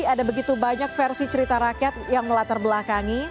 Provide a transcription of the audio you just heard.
ada begitu banyak versi cerita rakyat yang melatar belakangi